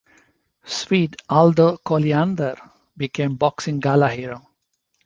Swede Aldo Colliander became boxing gala hero.